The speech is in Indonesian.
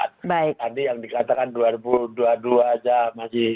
tadi yang dikatakan dua ribu dua puluh dua aja masih